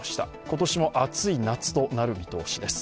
今年も暑い夏となる見通しです。